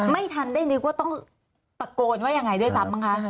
ไม่ทันได้นึกว่าต้องตะโกนว่ายังไงด้วยซ้ำมั้งคะ